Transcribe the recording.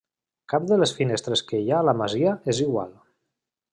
Cap de les finestres que hi ha a la masia és igual.